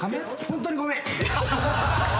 本当にごめん。